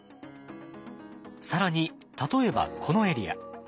更に例えばこのエリア。